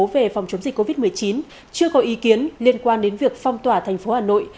về phòng chống dịch covid một mươi chín chưa có ý kiến liên quan đến việc phong tỏa thành phố hà nội